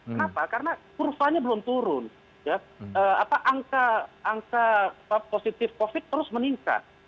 kenapa karena kurvanya belum turun angka positif covid terus meningkat